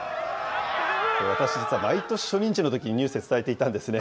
これ、私、実は毎年、初任地のニュースで伝えていたんですね。